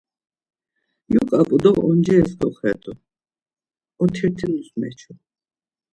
Yuǩap̌u do oncires kyoxedu, otirtinus meçu.